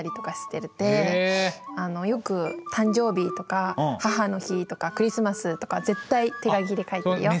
よく誕生日とか母の日とかクリスマスとか絶対手書きで書いてるよ。